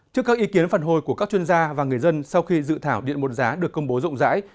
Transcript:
trước các ý kiến phản hồi của các chuyên gia và người dân sau khi dự thảo điện một giá được công bố rộng rãi